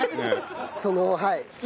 そのはい。